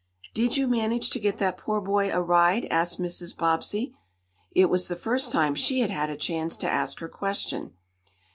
"Did you manage to get that poor boy a ride?" asked Mrs. Bobbsey. It was the first time she had had a chance to ask her question.